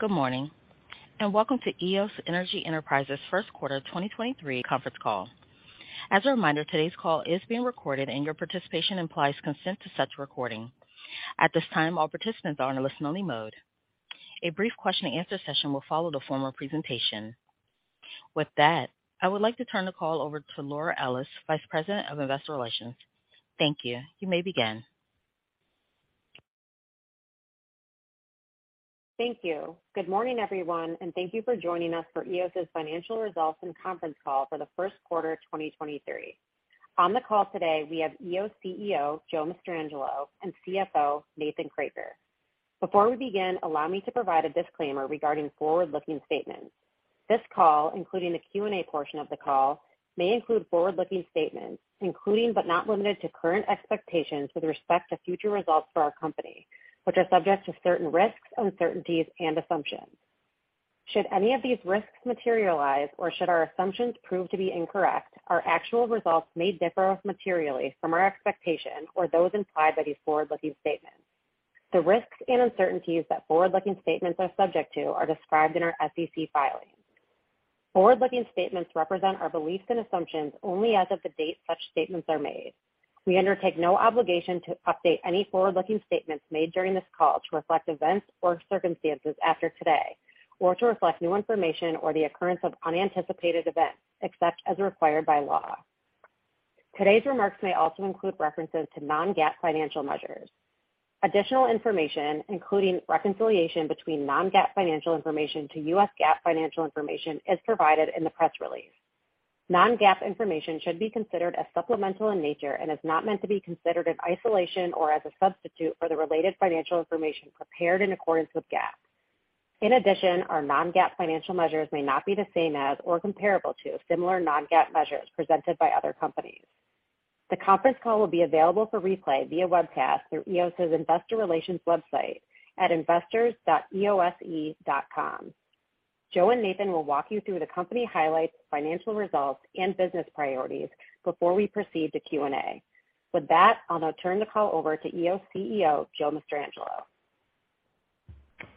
Good morning, welcome to Eos Energy Enterprises first quarter 2023 conference call. As a reminder, today's call is being recorded, and your participation implies consent to such recording. At this time, all participants are in a listen-only mode. A brief question and answer session will follow the formal presentation. With that, I would like to turn the call over to Laura Ellis, Vice President of investor relations. Thank you. You may begin. Thank you. Good morning, everyone, thank you for joining us for Eos's financial results and conference call for the first quarter of 2023. On the call today, we have Eos CEO, Joe Mastrangelo, and CFO, Nathan Kroeker. Before we begin, allow me to provide a disclaimer regarding forward-looking statements. This call, including the Q&A portion of the call, may include forward-looking statements, including but not limited to current expectations with respect to future results for our company, which are subject to certain risks, uncertainties and assumptions. Should any of these risks materialize or should our assumptions prove to be incorrect, our actual results may differ materially from our expectations or those implied by these forward-looking statements. The risks and uncertainties that forward-looking statements are subject to are described in our SEC filings. Forward-looking statements represent our beliefs and assumptions only as of the date such statements are made. We undertake no obligation to update any forward-looking statements made during this call to reflect events or circumstances after today or to reflect new information or the occurrence of unanticipated events, except as required by law. Today's remarks may also include references to non-GAAP financial measures. Additional information, including reconciliation between non-GAAP financial information to U.S. GAAP financial information, is provided in the press release. Non-GAAP information should be considered as supplemental in nature and is not meant to be considered in isolation or as a substitute for the related financial information prepared in accordance with GAAP. Our non-GAAP financial measures may not be the same as or comparable to similar non-GAAP measures presented by other companies. The conference call will be available for replay via webcast through Eos's investor relations website at investors.eose.com. Joe and Nathan will walk you through the company highlights, financial results and business priorities before we proceed to Q&A. With that, I'll now turn the call over to Eos CEO, Joe Mastrangelo.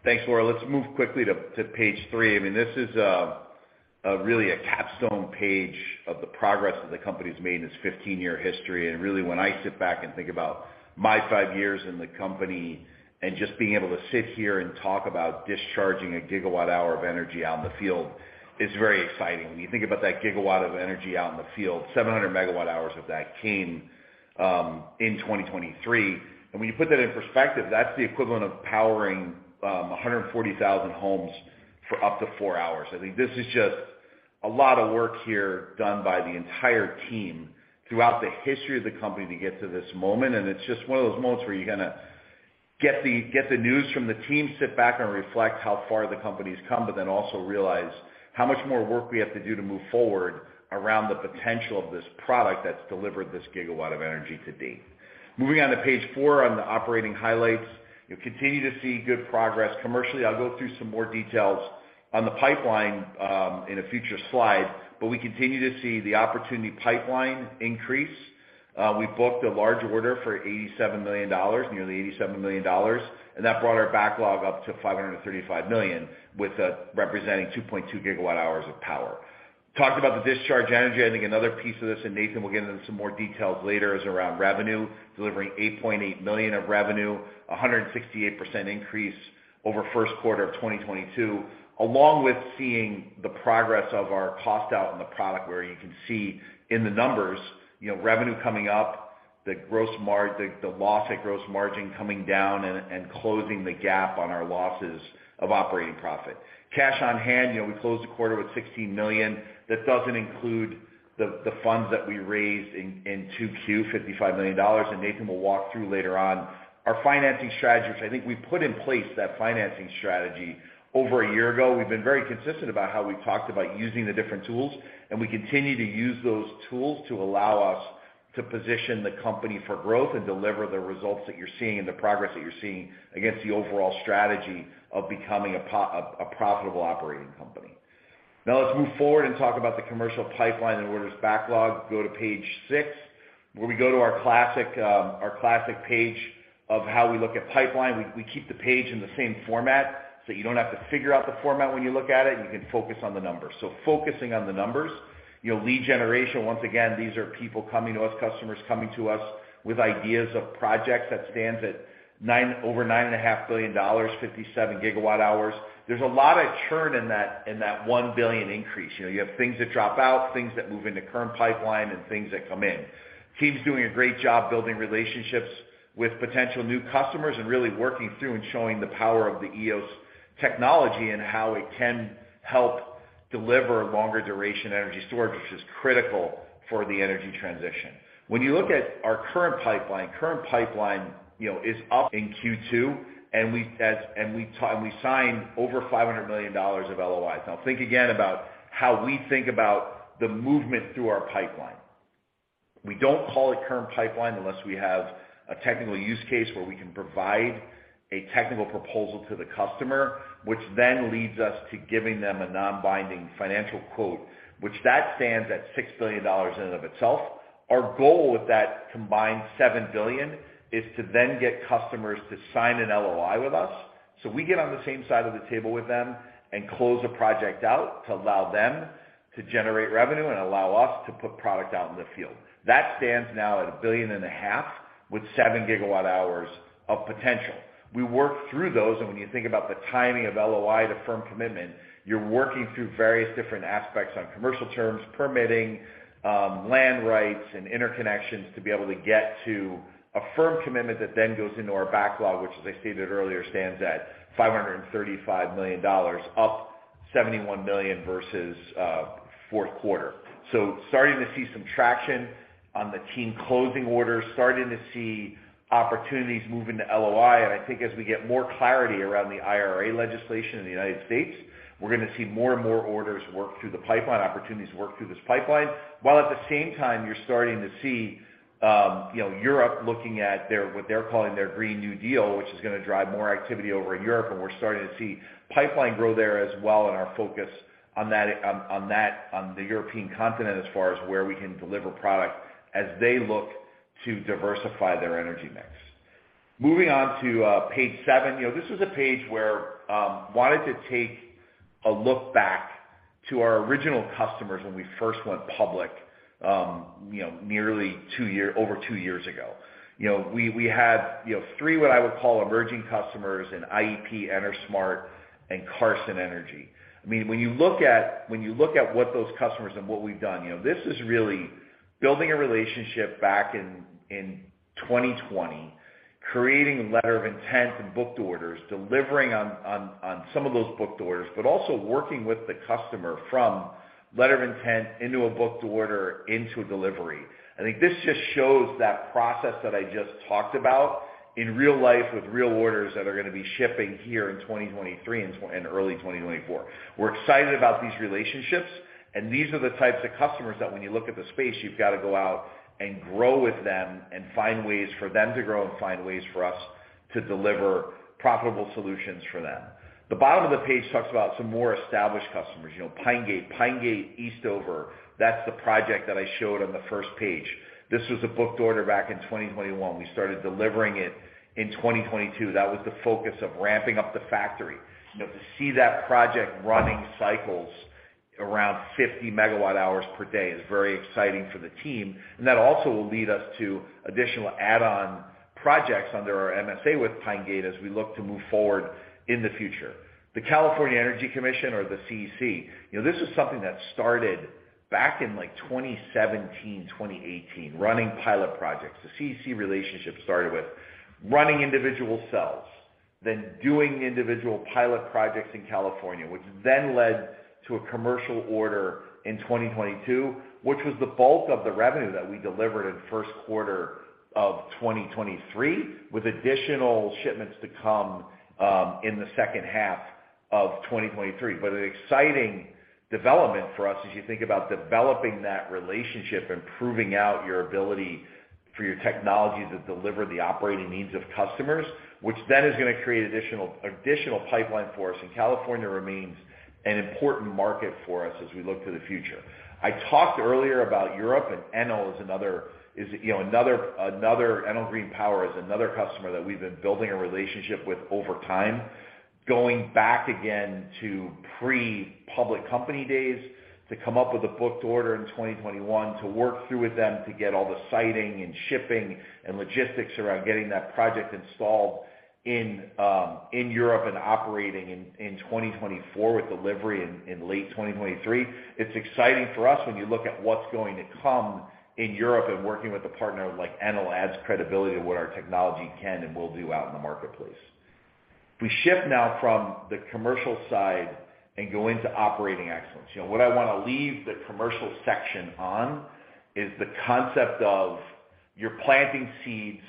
Thanks, Laura. Let's move quickly to page three. I mean, this is a really a capstone page of the progress that the company's made in its 15-year history. Really, when I sit back and think about my five years in the company and just being able to sit here and talk about discharging a GWh of energy out in the field is very exciting. When you think about that GW of energy out in the field, 700 MWh of that came in 2023. When you put that in perspective, that's the equivalent of powering 140,000 homes for up to four hours. I think this is just a lot of work here done by the entire team throughout the history of the company to get to this moment. It's just one of those moments where you're going to get the news from the team, sit back and reflect how far the company's come, but then also realize how much more work we have to do to move forward around the potential of this product that's delivered this GW of energy to date. Moving on to page four on the operating highlights, you continue to see good progress commercially. I'll go through some more details on the pipeline in a future slide, but we continue to see the opportunity pipeline increase. We booked a large order for $87 million, nearly $87 million, and that brought our backlog up to $535 million, with that representing 2.2 GWh of power. Talked about the discharge energy. I think another piece of this, Nathan will get into some more details later, is around revenue. Delivering $8.8 million of revenue, a 168% increase over first quarter of 2022, along with seeing the progress of our cost out in the product, where you can see in the numbers, you know, revenue coming up, the loss at gross margin coming down and closing the gap on our losses of operating profit. Cash on hand, you know, we closed the quarter with $16 million. That doesn't include the funds that we raised in 2Q, $55 million. Nathan will walk through later on. Our financing strategy, which I think we put in place that financing strategy over a year ago. We've been very consistent about how we've talked about using the different tools, and we continue to use those tools to allow us to position the company for growth and deliver the results that you're seeing and the progress that you're seeing against the overall strategy of becoming a profitable operating company. Now let's move forward and talk about the commercial pipeline and orders backlog. Go to page six, where we go to our classic, our classic page of how we look at pipeline. We, we keep the page in the same format, so you don't have to figure out the format when you look at it, and you can focus on the numbers. Focusing on the numbers. You know, lead generation, once again, these are people coming to us, customers coming to us with ideas of projects that stands at over $9.5 billion, 57 GW hours. There's a lot of churn in that $1 billion increase. You know, you have things that drop out, things that move into current pipeline, things that come in. Team's doing a great job building relationships with potential new customers and really working through and showing the power of the Eos technology and how it can help deliver long-duration energy storage, which is critical for the energy transition. When you look at our current pipeline, you know, is up in Q2. We signed over $500 million of LOIs. Think again about how we think about the movement through our pipeline. We don't call it current pipeline unless we have a technical use case where we can provide a technical proposal to the customer, which then leads us to giving them a non-binding financial quote, which that stands at $6 billion in and of itself. Our goal with that combined $7 billion is to then get customers to sign an LOI with us. We get on the same side of the table with them and close a project out to allow them to generate revenue and allow us to put product out in the field. That stands now at $1.5 billion with 7 GWh of potential. We work through those. When you think about the timing of LOI to firm commitment, you're working through various different aspects on commercial terms, permitting, land rights, and interconnections to be able to get to a firm commitment that then goes into our backlog, which as I stated earlier, stands at $535 million, up $71 million versus fourth quarter. Starting to see some traction on the team closing orders, starting to see opportunities move into LOI. I think as we get more clarity around the IRA legislation in the United States, we're gonna see more and more orders work through the pipeline, opportunities work through this pipeline, while at the same time, you're starting to see, you know, Europe looking at their what they're calling their European Green Deal, which is gonna drive more activity over in Europe. We're starting to see pipeline grow there as well in our focus on that, on that, on the European continent as far as where we can deliver product as they look to diversify their energy mix. Moving on to page seven. You know, this is a page where, wanted to take a look back to our original customers when we first went public, you know, over two years ago. You know, we had, you know, three what I would call emerging customers in IEP, EnerSmart, and Carson Energy. I mean, when you look at, when you look at what those customers and what we've done, you know, this is really building a relationship back in 2020, creating Letter of Intent and booked orders, delivering on some of those booked orders, but also working with the customer from Letter of Intent into a booked order into a delivery. I think this just shows that process that I just talked about in real life with real orders that are gonna be shipping here in 2023 and early 2024. We're excited about these relationships. These are the types of customers that when you look at the space, you've got to go out and grow with them and find ways for them to grow and find ways for us to deliver profitable solutions for them. The bottom of the page talks about some more established customers. You know, Pine Gate. Pine Gate Eastover, that's the project that I showed on the first page. This was a booked order back in 2021. We started delivering it in 2022. That was the focus of ramping up the factory. You know, to see that project running cycles around 50 MWh per day is very exciting for the team. That also will lead us to additional add-on projects under our MSA with Pine Gate as we look to move forward in the future. The California Energy Commission or the CEC. You know, this is something that started back in like 2017, 2018, running pilot projects. The CEC relationship started with running individual cells, then doing individual pilot projects in California, which then led to a commercial order in 2022, which was the bulk of the revenue that we delivered in first quarter of 2023, with additional shipments to come in the second half of 2023. An exciting development for us as you think about developing that relationship and proving out your ability for your technology to deliver the operating needs of customers, which then is gonna create additional pipeline for us. California remains an important market for us as we look to the future. I talked earlier about Europe. Enel is another, you know, Enel Green Power is another customer that we've been building a relationship with over time, going back again to pre-public company days to come up with a booked order in 2021 to work through with them to get all the siting and shipping and logistics around getting that project installed in Europe and operating in 2024 with delivery in late 2023. It's exciting for us when you look at what's going to come in Europe. Working with a partner like Enel adds credibility to what our technology can and will do out in the marketplace. If we shift now from the commercial side and go into operating excellence. You know, what I wanna leave the commercial section on is the concept of you're planting seeds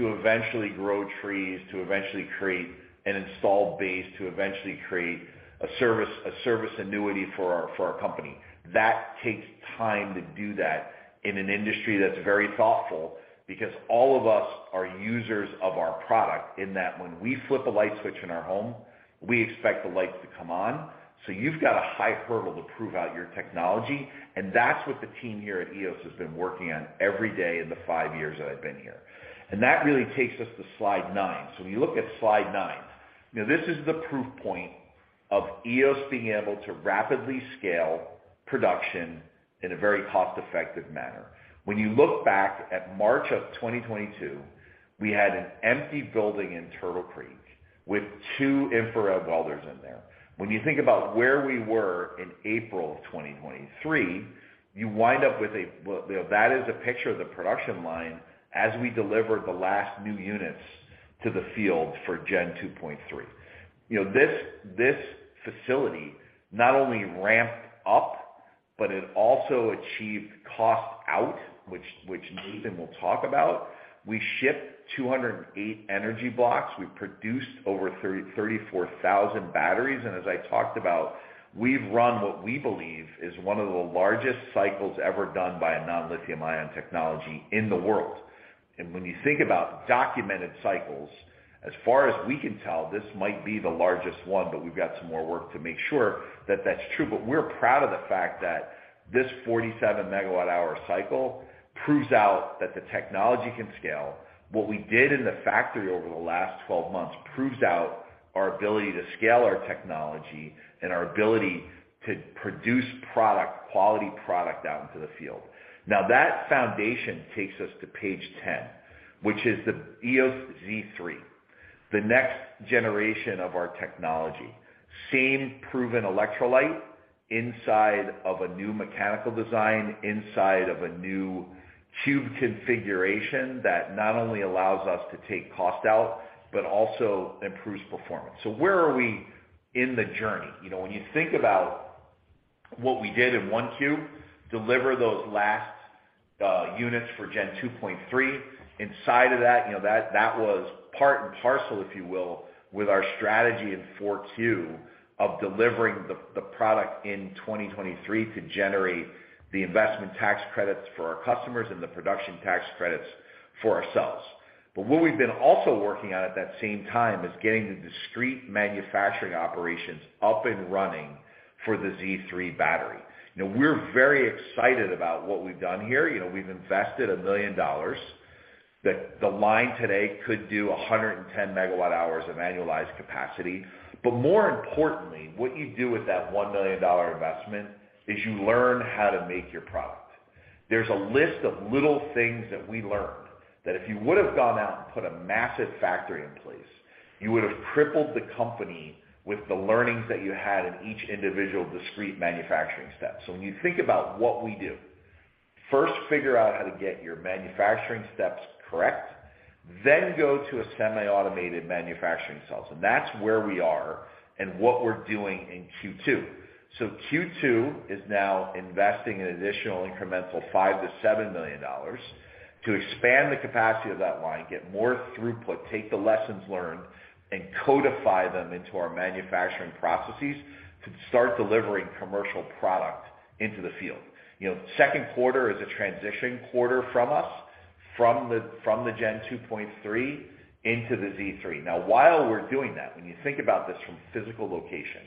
to eventually grow trees, to eventually create an installed base, to eventually create a service, a service annuity for our company. That takes time to do that in an industry that's very thoughtful because all of us are users of our product in that when we flip a light switch in our home, we expect the light to come on. You've got a high hurdle to prove out your technology, and that's what the team here at Eos has been working on every day in the five years that I've been here. That really takes us to slide nine. When you look at slide nine, you know, this is the proof point of Eos being able to rapidly scale production in a very cost-effective manner. When you look back at March 2022, we had an empty building in Turtle Creek with two infrared welders in there. When you think about where we were in April 2023, you wind up with Well, that is a picture of the production line as we delivered the last new units to the field for Gen-2.3. You know, this facility not only ramped up, but it also achieved cost out, which Nathan will talk about. We shipped 208 Energy Blocks. We produced over 34,000 batteries, and as I talked about, we've run what we believe is one of the largest cycles ever done by a non-lithium ion technology in the world. When you think about documented cycles, as far as we can tell, this might be the largest one, but we've got some more work to make sure that that's true. We're proud of the fact that this 47 MWh cycle proves out that the technology can scale. What we did in the factory over the last 12 months proves out our ability to scale our technology and our ability to produce Quality product out into the field. That foundation takes us to page 10, which is the Eos Z3, the next generation of our technology. Same proven electrolyte inside of a new mechanical design, inside of a new tube configuration that not only allows us to take cost out, but also improves performance. Where are we in the journey? You know, when you think about what we did in 1Q, deliver those last units for Gen-2.3. Inside of that, you know that was part and parcel, if you will, with our strategy in 4Q of delivering the product in 2023 to generate the investment tax credits for our customers and the production tax credits for ourselves. What we've been also working on at that same time is getting the discrete manufacturing operations up and running for the Z3 battery. We're very excited about what we've done here. You know, we've invested $1 million, that the line today could do 110 MWh of annualized capacity. More importantly, what you do with that $1 million investment is you learn how to make your product. There's a list of little things that we learned that if you would have gone out and put a massive factory in place, you would have crippled the company with the learnings that you had in each individual discrete manufacturing step. When you think about what we do, first figure out how to get your manufacturing steps correct, then go to a semi-automated manufacturing cell. That's where we are and what we're doing in Q2. Q2 is now investing an additional incremental $5 million-$7 million to expand the capacity of that line, get more throughput, take the lessons learned, and codify them into our manufacturing processes to start delivering commercial product into the field. You know, second quarter is a transitioning quarter from us from the Gen-2.3 into the Z3. While we're doing that, when you think about this from physical location,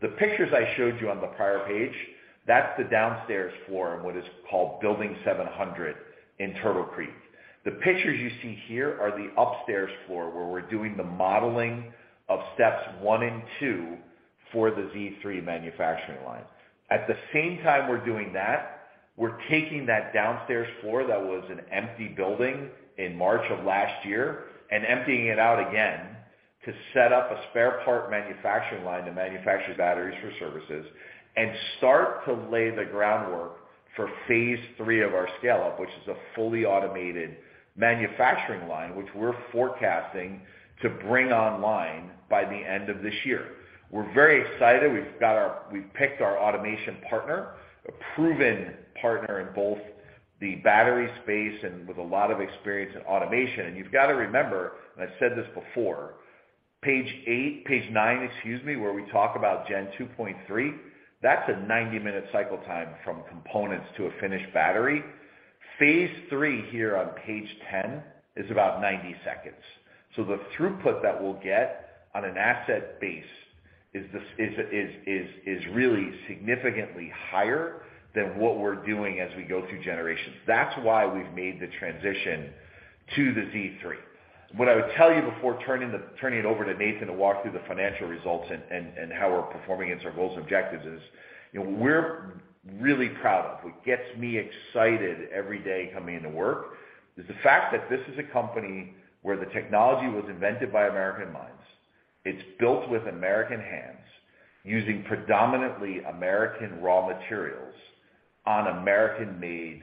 the pictures I showed you on the prior page, that's the downstairs floor in what is called Building 700 in Turtle Creek. The pictures you see here are the upstairs floor, where we're doing the modeling of steps one and two for the Z3 manufacturing line. At the same time we're doing that, we're taking that downstairs floor that was an empty building in March of last year and emptying it out again to set up a spare part manufacturing line to manufacture batteries for services and start to lay the groundwork for phase III of our scale up, which is a fully automated manufacturing line, which we're forecasting to bring online by the end of this year. We're very excited. We've picked our automation partner, a proven partner in both the battery space and with a lot of experience in automation. You've got to remember, and I said this before, page 8, page 9, excuse me, where we talk about Gen-2.3, that's a 90-minute cycle time from components to a finished battery. Phase III here on page 10 is about 90 seconds. The throughput that we'll get on an asset base is really significantly higher than what we're doing as we go through generations. That's why we've made the transition to the Z3. What I would tell you before turning it over to Nathan to walk through the financial results and how we're performing against our goals and objectives is, you know, we're really proud of. What gets me excited every day coming into work is the fact that this is a company where the technology was invented by American minds. It's built with American hands, using predominantly American raw materials on American-made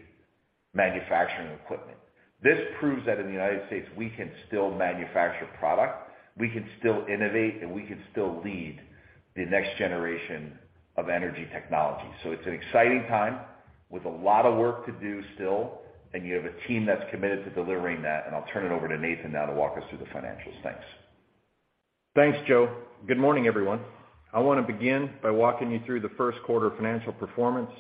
manufacturing equipment. This proves that in the United States, we can still manufacture product, we can still innovate, and we can still lead the next generation of energy technology. It's an exciting time with a lot of work to do still. You have a team that's committed to delivering that. I'll turn it over to Nathan now to walk us through the financials. Thanks. Thanks, Joe Mastrangelo. Good morning, everyone. I want to begin by walking you through the first quarter financial performance,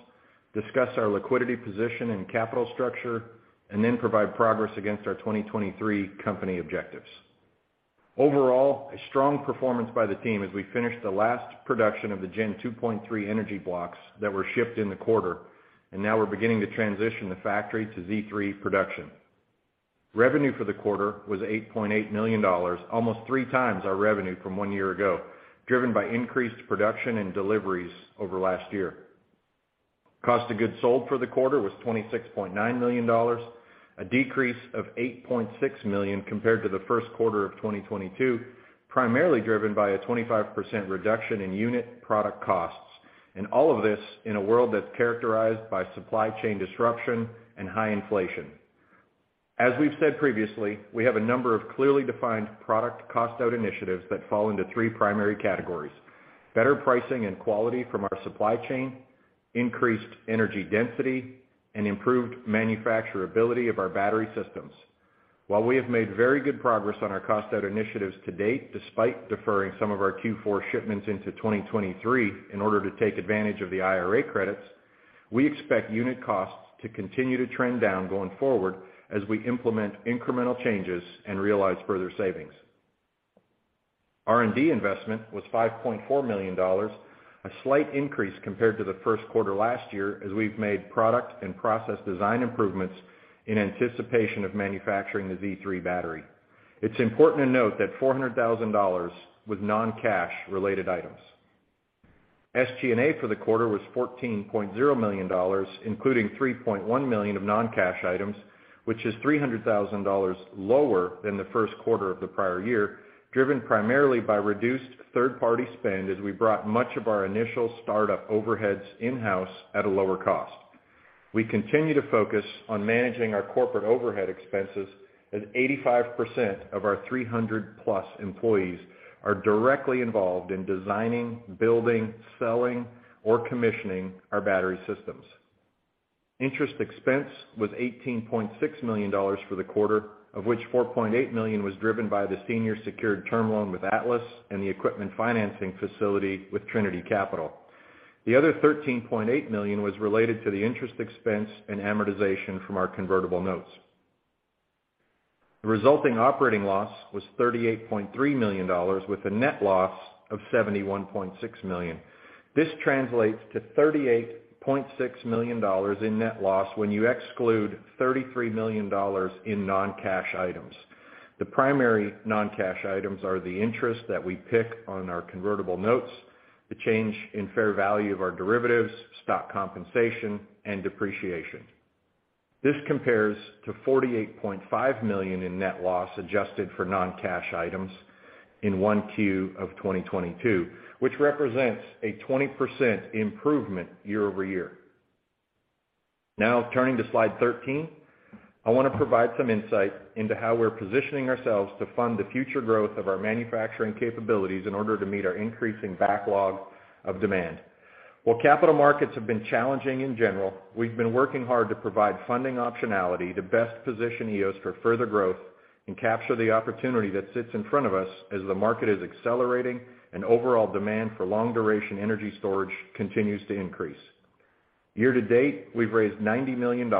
discuss our liquidity position and capital structure, and then provide progress against our 2023 company objectives. Overall, a strong performance by the team as we finished the last production of the Gen-2.3 Energy Blocks that were shipped in the quarter. Now we're beginning to transition the factory to Z3 production. Revenue for the quarter was $8.8 million, almost three times our revenue from one year ago, driven by increased production and deliveries over last year. Cost of goods sold for the quarter was $26.9 million, a decrease of $8.6 million compared to the first quarter of 2022, primarily driven by a 25% reduction in unit product costs. All of this in a world that's characterized by supply chain disruption and high inflation. As we've said previously, we have a number of clearly defined product cost out initiatives that fall into three primary categories: better pricing and quality from our supply chain, increased energy density, and improved manufacturability of our battery systems. While we have made very good progress on our cost out initiatives to date, despite deferring some of our Q4 shipments into 2023 in order to take advantage of the IRA credits, we expect unit costs to continue to trend down going forward as we implement incremental changes and realize further savings. R&D investment was $5.4 million, a slight increase compared to the first quarter last year as we've made product and process design improvements in anticipation of manufacturing the Z3 battery. It's important to note that $400,000 was non-cash related items. SG&A for the quarter was $14.0 million, including $3.1 million of non-cash items, which is $300,000 lower than the first quarter of the prior year, driven primarily by reduced third-party spend as we brought much of our initial startup overheads in-house at a lower cost. We continue to focus on managing our corporate overhead expenses. 85% of our 300+ employees are directly involved in designing, building, selling, or commissioning our battery systems. Interest expense was $18.6 million for the quarter, of which $4.8 million was driven by the senior secured term loan with Atlas and the equipment financing facility with Trinity Capital. The other $13.8 million was related to the interest expense and amortization from our convertible notes. The resulting operating loss was $38.3 million, with a net loss of $71.6 million. This translates to $38.6 million in net loss when you exclude $33 million in non-cash items. The primary non-cash items are the interest that we pick on our convertible notes, the change in fair value of our derivatives, stock compensation, and depreciation. This compares to $48.5 million in net loss adjusted for non-cash items in 1Q of 2022, which represents a 20% improvement year-over-year. Now turning to Slide 13, I wanna provide some insight into how we're positioning ourselves to fund the future growth of our manufacturing capabilities in order to meet our increasing backlog of demand. While capital markets have been challenging in general, we've been working hard to provide funding optionality to best position Eos for further growth and capture the opportunity that sits in front of us as the market is accelerating and overall demand for long-duration energy storage continues to increase. Year to date, we've raised $90 million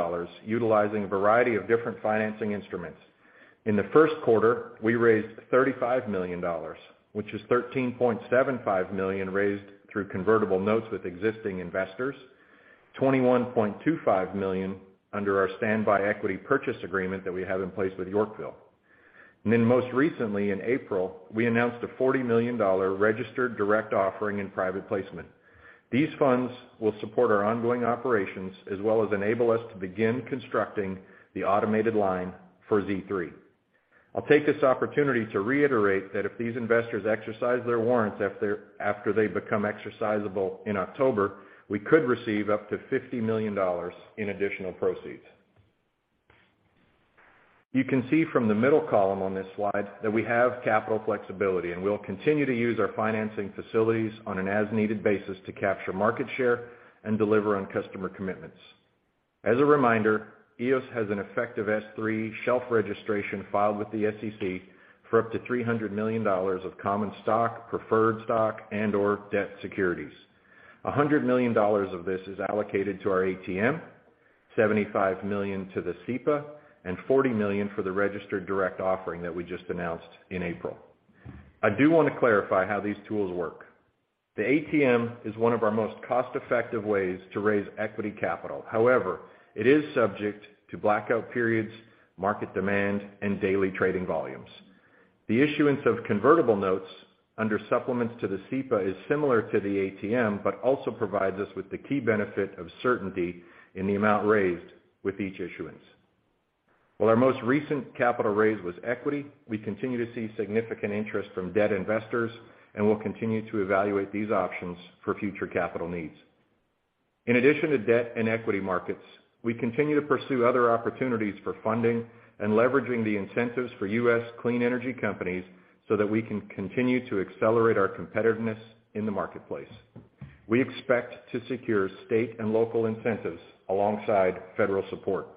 utilizing a variety of different financing instruments. In the first quarter, we raised $35 million, which is $13.75 million raised through convertible notes with existing investors, $21.25 million under our standby equity purchase agreement that we have in place with Yorkville. Most recently in April, we announced a $40 million registered direct offering and private placement. These funds will support our ongoing operations as well as enable us to begin constructing the automated line for Z3. I'll take this opportunity to reiterate that if these investors exercise their warrants after they become exercisable in October, we could receive up to $50 million in additional proceeds. You can see from the middle column on this slide that we have capital flexibility, and we'll continue to use our financing facilities on an as-needed basis to capture market share and deliver on customer commitments. As a reminder, Eos has an effective S-3 shelf registration filed with the SEC for up to $300 million of common stock, preferred stock, and/or debt securities. $100 million of this is allocated to our ATM, $75 million to the SEPA, and $40 million for the registered direct offering that we just announced in April. I do wanna clarify how these tools work. The ATM is one of our most cost-effective ways to raise equity capital. However, it is subject to blackout periods, market demand, and daily trading volumes. The issuance of convertible notes under supplements to the SEPA is similar to the ATM but also provides us with the key benefit of certainty in the amount raised with each issuance. While our most recent capital raise was equity, we continue to see significant interest from debt investors, and we'll continue to evaluate these options for future capital needs. In addition to debt and equity markets, we continue to pursue other opportunities for funding and leveraging the incentives for U.S. clean energy companies so that we can continue to accelerate our competitiveness in the marketplace. We expect to secure state and local incentives alongside federal support.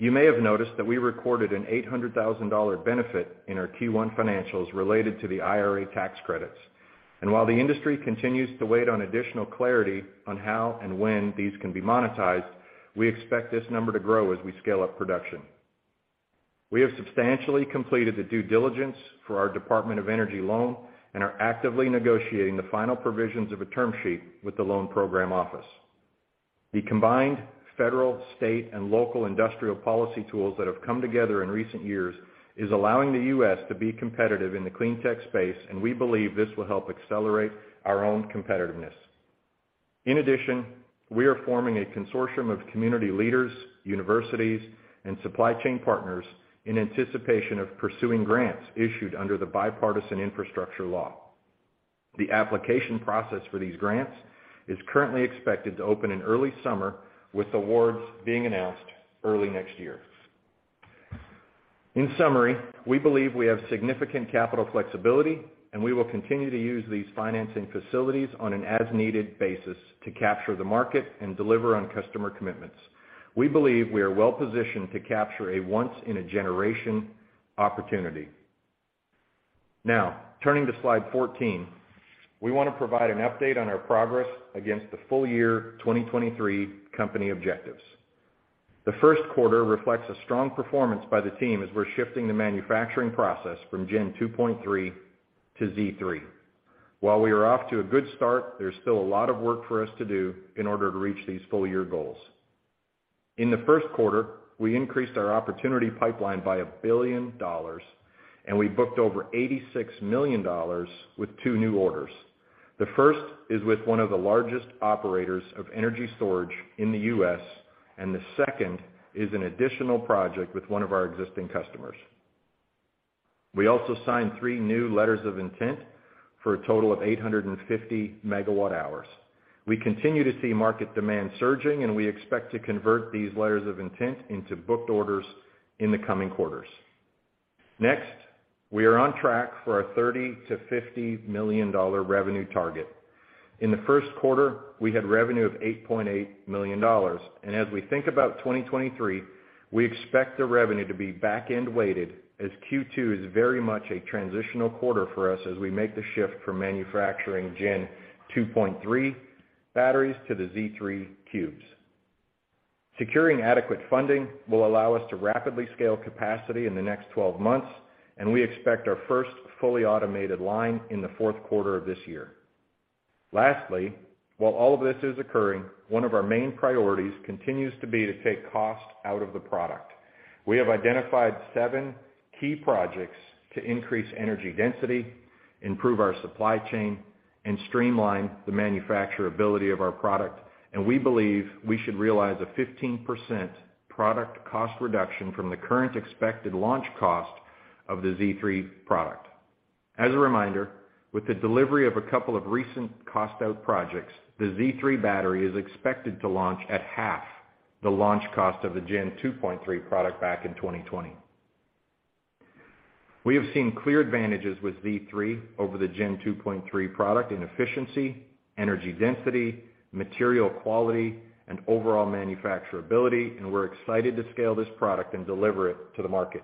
You may have noticed that we recorded an $800,000 benefit in our Q1 financials related to the IRA tax credits. While the industry continues to wait on additional clarity on how and when these can be monetized, we expect this number to grow as we scale up production. We have substantially completed the due diligence for our Department of Energy loan and are actively negotiating the final provisions of a term sheet with the Loan Programs Office. The combined federal, state, and local industrial policy tools that have come together in recent years is allowing the U.S. to be competitive in the clean tech space. We believe this will help accelerate our own competitiveness. In addition, we are forming a consortium of community leaders, universities, and supply chain partners in anticipation of pursuing grants issued under the Bipartisan Infrastructure Law. The application process for these grants is currently expected to open in early summer, with awards being announced early next year. In summary, we believe we have significant capital flexibility. We will continue to use these financing facilities on an as-needed basis to capture the market and deliver on customer commitments. We believe we are well-positioned to capture a once-in-a-generation opportunity. Turning to Slide 14, we wanna provide an update on our progress against the full year 2023 company objectives. The first quarter reflects a strong performance by the team as we're shifting the manufacturing process from Gen-2.3 to Z3. While we are off to a good start, there's still a lot of work for us to do in order to reach these full year goals. In the first quarter, we increased our opportunity pipeline by $1 billion. We booked over $86 million with two new orders. The first is with one of the largest operators of energy storage in the U.S.. The second is an additional project with one of our existing customers. We also signed three new Letters of Intent for a total of 850 megawatt-hours. We continue to see market demand surging. We expect to convert these Letters of Intent into booked orders in the coming quarters. Next, we are on track for our $30 million-$50 million revenue target. In the first quarter, we had revenue of $8.8 million. As we think about 2023, we expect the revenue to be back-end weighted as Q2 is very much a transitional quarter for us as we make the shift from manufacturing Gen-2.3 batteries to the Z3 Cubes. Securing adequate funding will allow us to rapidly scale capacity in the next 12 months, and we expect our first fully automated line in the fourth quarter of this year. Lastly, while all of this is occurring, one of our main priorities continues to be to take cost out of the product. We have identified seven key projects to increase energy density, improve our supply chain, and streamline the manufacturability of our product. We believe we should realize a 15% product cost reduction from the current expected launch cost of the Z3 product. As a reminder, with the delivery of a couple of recent cost-out projects, the Z3 battery is expected to launch at half the launch cost of the Gen-2.3 product back in 2020. We have seen clear advantages with Z3 over the Gen-2.3 product in efficiency, energy density, material quality, and overall manufacturability, and we're excited to scale this product and deliver it to the market.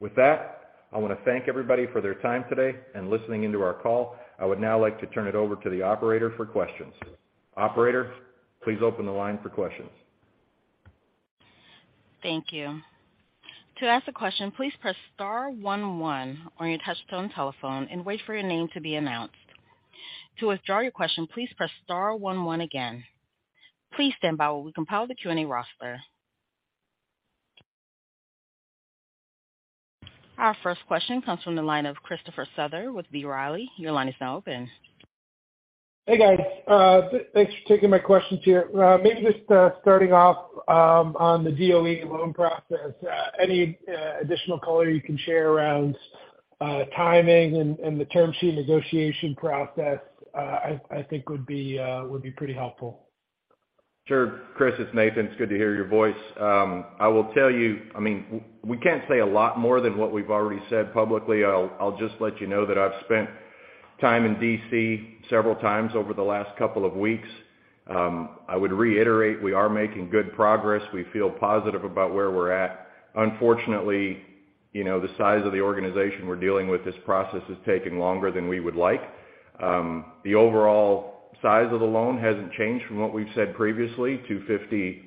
With that, I want to thank everybody for their time today and listening into our call. I would now like to turn it over to the operator for questions. Operator, please open the line for questions. Thank you. To ask a question, please press star one one on your touchtone telephone and wait for your name to be announced. To withdraw your question, please press star one one again. Please stand by while we compile the Q&A roster. Our first question comes from the line of Christopher Souther with B. Riley. Your line is now open. Hey, guys. Thanks for taking my questions here. Maybe just starting off on the DOE loan process. Any additional color you can share around timing and the term sheet negotiation process, I think would be pretty helpful. Sure. Chris, it's Nathan. It's good to hear your voice. I will tell you, I mean, we can't say a lot more than what we've already said publicly. I'll just let you know that I've spent time in D.C. several times over the last couple of weeks. I would reiterate we are making good progress. We feel positive about where we're at. Unfortunately, you know, the size of the organization we're dealing with, this process is taking longer than we would like. The overall size of the loan hasn't changed from what we've said previously, $250+.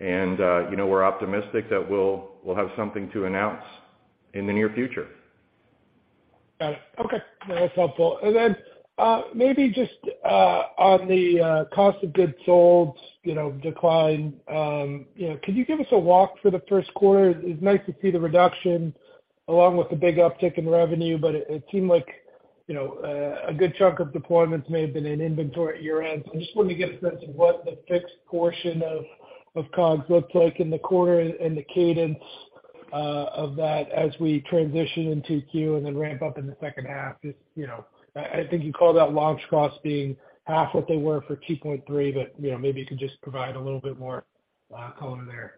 You know, we're optimistic that we'll have something to announce in the near future. Got it. Okay. No, that's helpful. Maybe just on the cost of goods sold, you know, decline. You know, could you give us a walk for the first quarter? It's nice to see the reduction along with the big uptick in revenue, it seemed like, you know, a good chunk of deployments may have been in inventory at year-end. I just wanted to get a sense of what the fixed portion of COGS looked like in the quarter and the cadence of that as we transition in 2Q and then ramp up in the second half. You know, I think you called out launch costs being half what they were for 2.3, you know, maybe you could just provide a little bit more color there.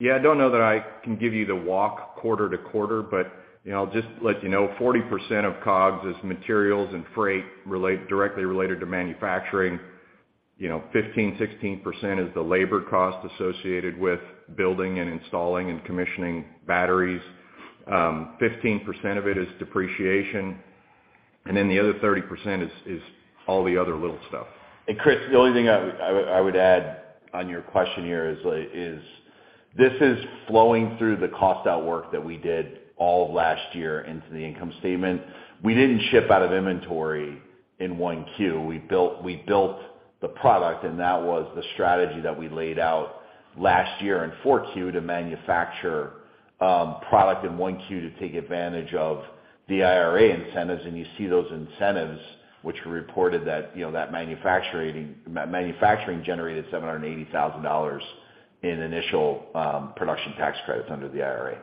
Yeah, I don't know that I can give you the walk quarter to quarter, you know, I'll just let you know 40% of COGS is materials and freight directly related to manufacturing. You know, 15%-16% is the labor cost associated with building and installing and commissioning batteries. 15% of it is depreciation, the other 30% is all the other little stuff. Chris, the only thing I would add on your question here is, this is flowing through the cost out work that we did all of last year into the income statement. We didn't ship out of inventory in 1Q. We built the product, and that was the strategy that we laid out last year in 4Q to manufacture product in 1Q to take advantage of the IRA incentives. You see those incentives which were reported that, you know, that manufacturing generated $780,000 in initial production tax credits under the IRA.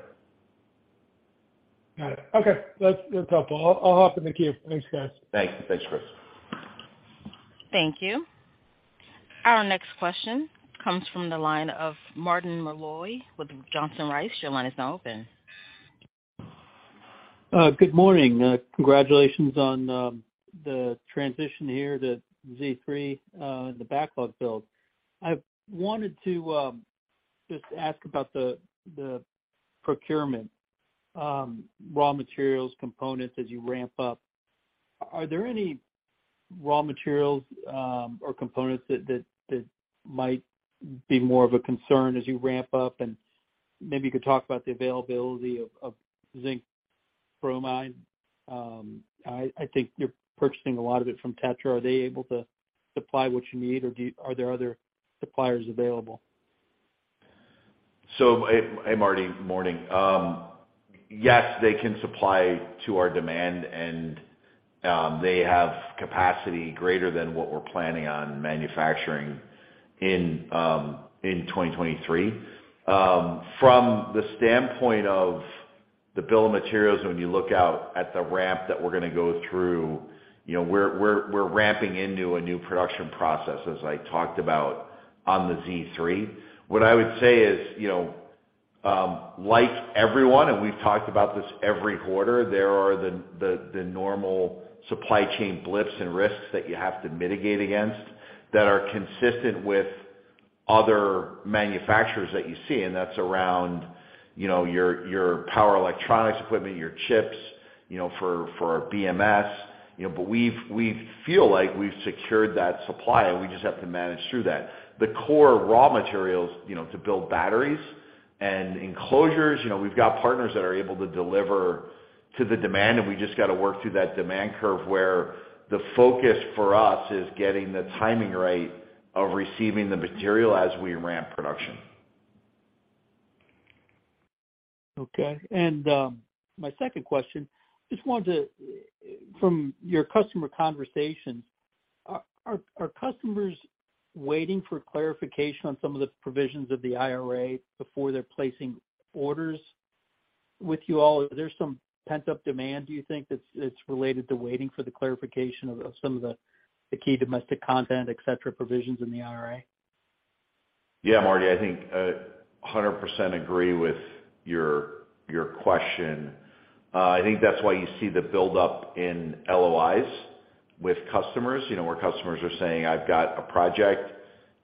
Got it. Okay. That's, that's helpful. I'll hop in the queue. Thanks, guys. Thanks. Thanks, Chris. Thank you. Our next question comes from the line of Martin Malloy with Johnson Rice. Your line is now open. Good morning. Congratulations on the transition here to Z3 and the backlog build. I wanted to just ask about the procurement raw materials, components as you ramp up. Are there any raw materials or components that might be more of a concern as you ramp up and maybe you could talk about the availability of zinc bromide? I think you're purchasing a lot of it from TETRA. Are they able to supply what you need or are there other suppliers available? Hey, hey Marty, morning. Yes, they can supply to our demand and they have capacity greater than what we're planning on manufacturing in 2023. From the standpoint of the bill of materials, when you look out at the ramp that we're gonna go through, you know, we're ramping into a new production process, as I talked about on the Z3. What I would say is, you know, like everyone, and we've talked about this every quarter, there are the normal supply chain blips and risks that you have to mitigate against that are consistent with other manufacturers that you see. That's around, you know, your power electronics equipment, your chips, you know, for our BMS, you know. We feel like we've secured that supply, and we just have to manage through that. The core raw materials, you know, to build batteries and enclosures, you know, we've got partners that are able to deliver to the demand, and we just gotta work through that demand curve where the focus for us is getting the timing right of receiving the material as we ramp production. Okay. My second question, From your customer conversations, are customers waiting for clarification on some of the provisions of the IRA before they're placing orders with you all? Is there some pent-up demand, do you think, that's related to waiting for the clarification of some of the key domestic content, et cetera, provisions in the IRA? Marty, I think 100% agree with your question. I think that's why you see the buildup in LOIs with customers. You know, where customers are saying, "I've got a project.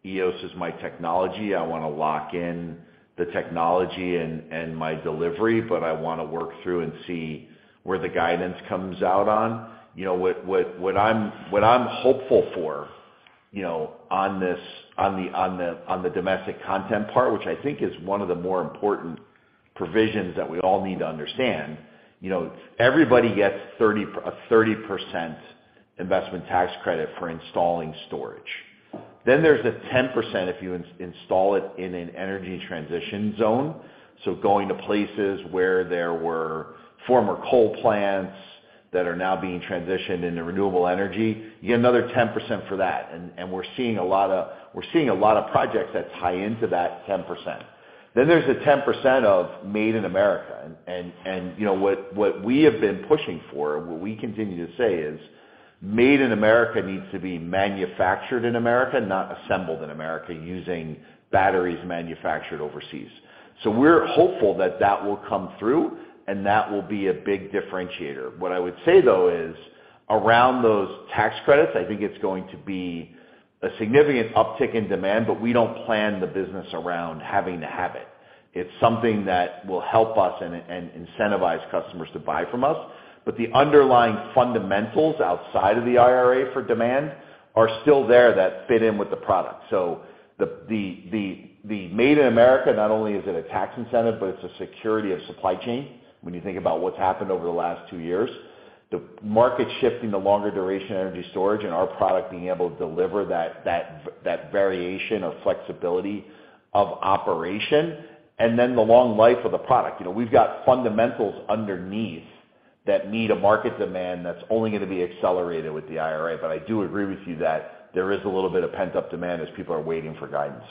Eos is my technology. I wanna lock in the technology and my delivery, but I wanna work through and see where the guidance comes out on." You know, what I'm hopeful for, you know, on this, on the domestic content part, which I think is one of the more important provisions that we all need to understand, you know, everybody gets a 30% investment tax credit for installing storage. There's the 10% if you install it in an energy transition zone. Going to places where there were former coal plants that are now being transitioned into renewable energy, you get another 10% for that. We're seeing a lot of projects that tie into that 10%. There's the 10% of Made in America. You know, what we have been pushing for, what we continue to say is Made in America needs to be manufactured in America, not assembled in America using batteries manufactured overseas. We're hopeful that that will come through, and that will be a big differentiator. What I would say, though, is around those tax credits, I think it's going to be a significant uptick in demand, but we don't plan the business around having to have it. It's something that will help us and incentivize customers to buy from us. The underlying fundamentals outside of the IRA for demand are still there that fit in with the product. The Made in America, not only is it a tax incentive, but it's a security of supply chain when you think about what's happened over the last two years. The market's shifting to longer duration energy storage and our product being able to deliver that variation or flexibility of operation and then the long life of the product. You know, we've got fundamentals underneath that meet a market demand that's only gonna be accelerated with the IRA. I do agree with you that there is a little bit of pent-up demand as people are waiting for guidance.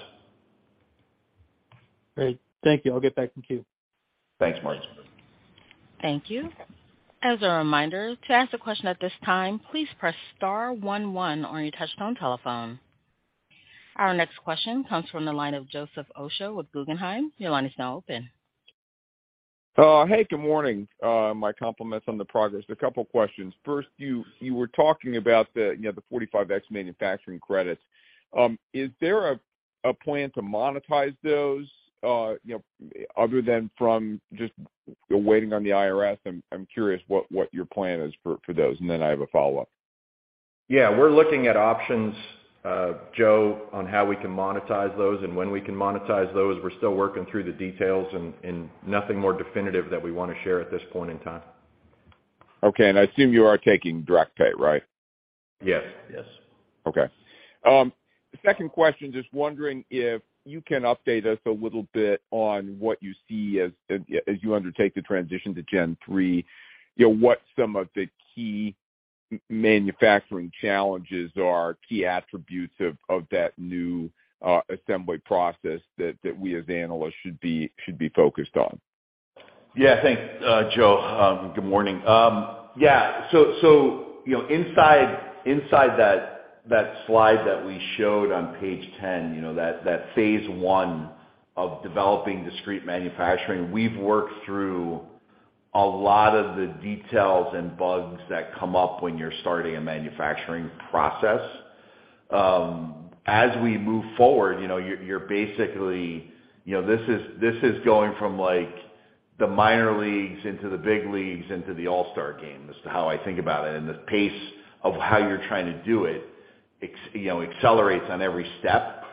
Great. Thank you. I'll get back in queue. Thanks, Marty. Thank you. As a reminder, to ask a question at this time, please press star one one on your touchtone telephone. Our next question comes from the line of Joseph Osha with Guggenheim. Your line is now open. Hey, good morning. My compliments on the progress. A couple questions. First, you were talking about the, you know, the Section 45X manufacturing credits. Is there a plan to monetize those, you know, other than from just waiting on the IRS? I'm curious what your plan is for those. Then I have a follow-up. We're looking at options, Joe, on how we can monetize those and when we can monetize those. We're still working through the details and nothing more definitive that we wanna share at this point in time. Okay. I assume you are taking direct pay, right? Yes. Yes. Okay. Second question, just wondering if you can update us a little bit on what you see as you undertake the transition to Gen-3, you know, what some of the key manufacturing challenges are, key attributes of that new assembly process that we as analysts should be focused on? Yeah. Thanks, Joe. Good morning. Yeah. You know, inside that slide that we showed on page 10, you know, that phase one of developing discrete manufacturing, we've worked through a lot of the details and bugs that come up when you're starting a manufacturing process. As we move forward, you know, you're basically, you know, this is going from like the minor leagues into the big leagues into the All-Star game as to how I think about it. The pace of how you're trying to do it accelerates on every step.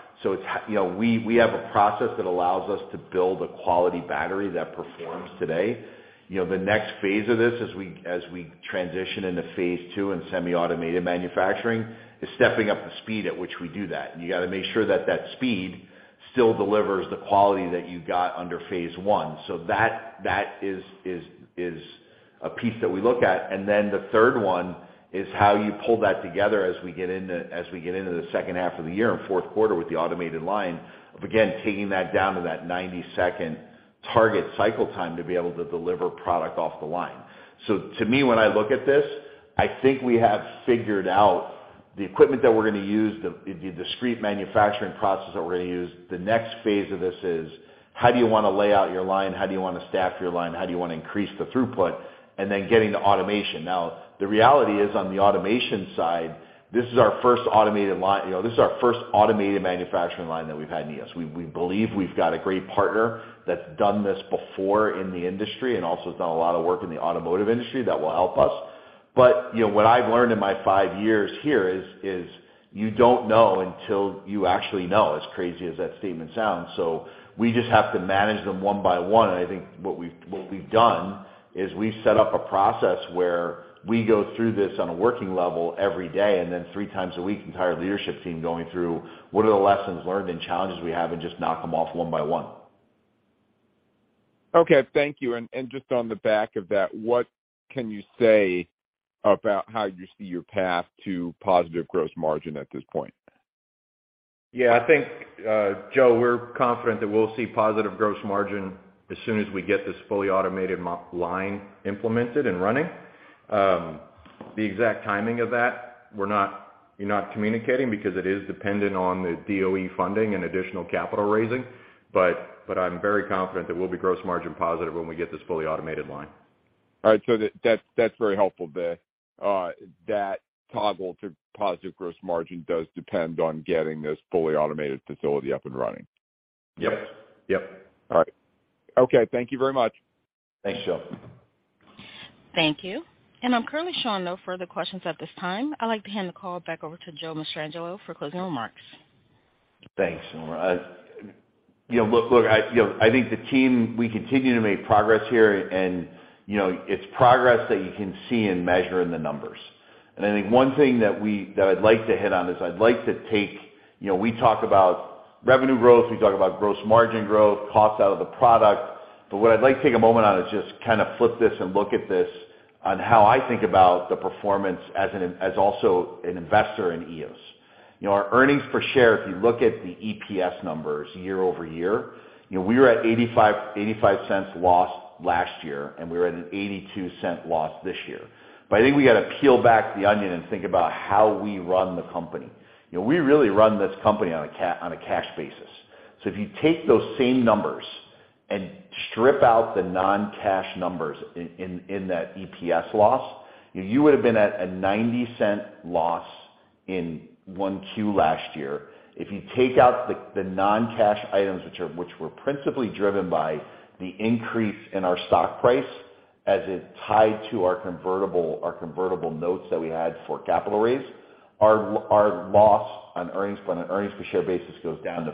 You know, we have a process that allows us to build a quality battery that performs today. You know, the next phase of this as we transition into phase two and semi-automated manufacturing, is stepping up the speed at which we do that. You gotta make sure that that speed still delivers the quality that you got under phase one. That is a piece that we look at. Then the third one is how you pull that together as we get into the second half of the year in fourth quarter with the automated line of, again, taking that down to that 90-second target cycle time to be able to deliver product off the line. To me, when I look at this, I think we have figured out the equipment that we're gonna use, the discrete manufacturing process that we're gonna use. The next phase of this is how do you wanna lay out your line? How do you wanna staff your line? How do you wanna increase the throughput? Getting to automation. The reality is, on the automation side, this is our first automated line. You know, this is our first automated manufacturing line that we've had in Eos. We believe we've got a great partner that's done this before in the industry and also has done a lot of work in the automotive industry that will help us. You know, what I've learned in my five years here is you don't know until you actually know, as crazy as that statement sounds. We just have to manage them one by one. I think what we've done is we've set up a process where we go through this on a working level every day, and then three times a week, the entire leadership team going through what are the lessons learned and challenges we have and just knock them off one by one. Okay. Thank you. Just on the back of that, what can you say about how you see your path to positive gross margin at this point? I think, Joe, we're confident that we'll see positive gross margin as soon as we get this fully automated line implemented and running. The exact timing of that, we're not communicating because it is dependent on the DOE funding and additional capital raising, but I'm very confident that we'll be gross margin positive when we get this fully automated line. All right. That's very helpful there. That toggle to positive gross margin does depend on getting this fully automated facility up and running. Yep. Yep. All right. Okay. Thank you very much. Thanks, Joe. Thank you. I'm currently showing no further questions at this time. I'd like to hand the call back over to Joe Mastrangelo for closing remarks. Thanks, Nora. You know, look, I, you know, I think the team, we continue to make progress here, you know, it's progress that you can see and measure in the numbers. I think one thing that I'd like to hit on is I'd like to take... You know, we talk about revenue growth, we talk about gross margin growth, cost out of the product, but what I'd like to take a moment on is just kind of flip this and look at this on how I think about the performance as also an investor in Eos. You know, our earnings per share, if you look at the EPS numbers year-over-year, you know, we were at a $0.85 loss last year, we're at a $0.82 loss this year. I think we gotta peel back the onion and think about how we run the company. You know, we really run this company on a cash basis. If you take those same numbers and strip out the non-cash numbers in that EPS loss, you would have been at a $0.90 loss in 1Q last year. If you take out the non-cash items which were principally driven by the increase in our stock price as it tied to our convertible notes that we had for capital raise, our loss on earnings, on an earnings per share basis goes down to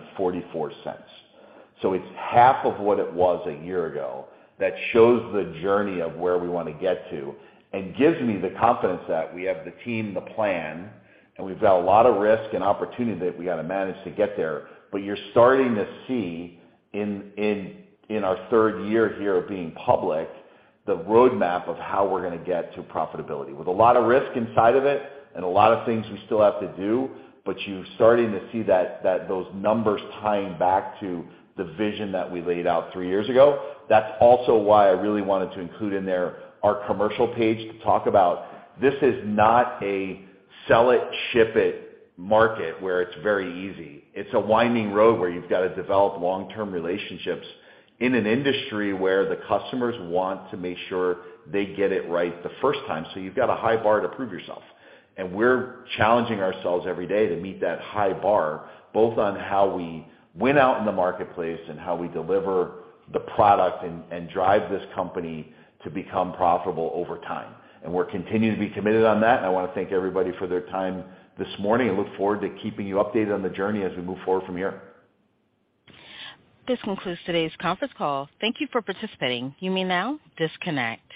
$0.44. It's half of what it was a year ago. That shows the journey of where we wanna get to and gives me the confidence that we have the team, the plan, and we've got a lot of risk and opportunity that we got to manage to get there. You're starting to see in our third year here of being public, the roadmap of how we're gonna get to profitability with a lot of risk inside of it and a lot of things we still have to do, but you're starting to see that those numbers tying back to the vision that we laid out three years ago. That's also why I really wanted to include in there our commercial page to talk about this is not a sell it, ship it market where it's very easy. It's a winding road where you've got to develop long-term relationships in an industry where the customers want to make sure they get it right the first time. You've got a high bar to prove yourself. We're challenging ourselves every day to meet that high bar, both on how we win out in the marketplace and how we deliver the product and drive this company to become profitable over time. We're continuing to be committed on that. I want to thank everybody for their time this morning and look forward to keeping you updated on the journey as we move forward from here. This concludes today's conference call. Thank you for participating. You may now disconnect.